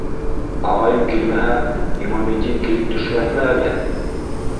Ағайың килмәһә, Имаметдин килеп төшмәҫме әле.